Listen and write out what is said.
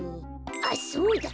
あっそうだ！